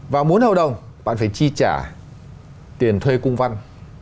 và muốn hợp đồng bạn phải chi trả tiền thuê cung văn